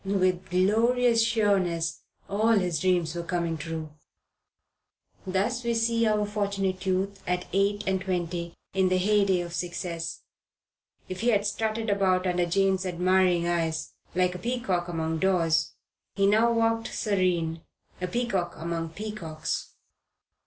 With glorious sureness all his dreams were coming true. Thus we see our Fortunate Youth at eight and twenty in the heyday of success. If he had strutted about under Jane's admiring eyes, like a peacock among daws, he now walked serene, a peacock among peacocks.